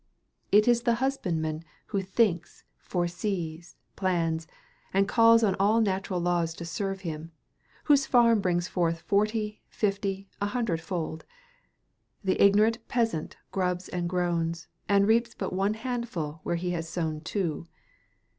It is the husbandman who thinks, foresees, plans, and calls on all natural laws to serve him, whose farm brings forth forty, fifty, and a hundred fold. The ignorant peasant grubs and groans, and reaps but one handful where he has sown two.